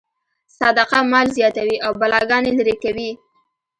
صدقه مال زیاتوي او بلاګانې لرې کوي.